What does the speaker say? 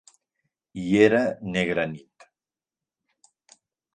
I era negra nit.